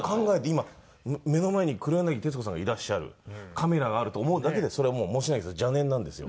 今目の前に黒柳徹子さんがいらっしゃるカメラがあると思うだけでそれはもう申し訳ないですけど邪念なんですよ。